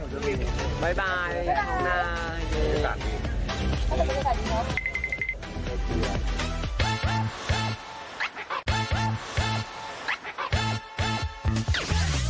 โปรดติดตามตอนต่อไป